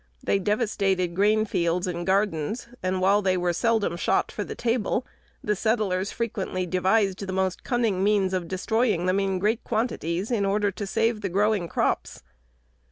They devastated grain fields and gardens; and while they were seldom shot for the table, the settlers frequently devised the most cunning means of destroying them in great quantities, in order to save the growing crops.